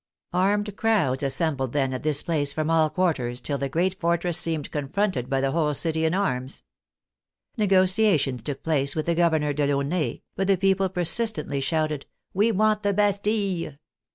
Armed crowds assembled then i6 THE FRENCH REVOLUTION at this place from all quarters, till the great fortress seemed confronted by the whole city in arms. Negotia tions took place with the governor, Delaunay, but the people persistently shouted, *' We want the Bastille